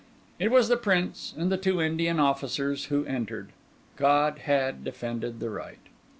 It was the Prince and the two Indian officers who entered. God had defended the right.